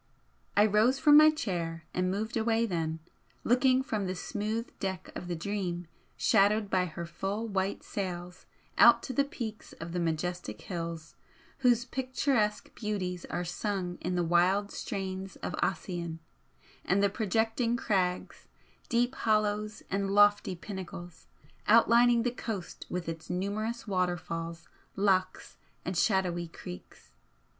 I rose from my chair and moved away then, looking from the smooth deck of the 'Dream' shadowed by her full white sails out to the peaks of the majestic hills whose picturesque beauties are sung in the wild strains of Ossian, and the projecting crags, deep hollows and lofty pinnacles outlining the coast with its numerous waterfalls, lochs and shadowy creeks.